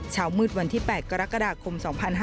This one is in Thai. เช้ามืดวันที่๘กรกฎาคม๒๕๕๙